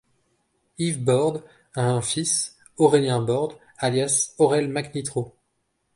Yves Bordes a un fils, Aurélien Bordes, alias Aurel McNitro.